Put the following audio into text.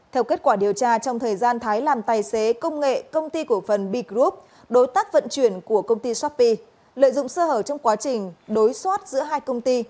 theo kết quả điều tra trong thời gian thái làm tài xế công nghệ công ty cổ phần b group đối tác vận chuyển của công ty shopee lợi dụng sơ hở trong quá trình đối soát giữa hai công ty